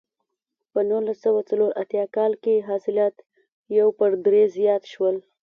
په نولس سوه څلور اتیا کال کې حاصلات یو پر درې زیات شول.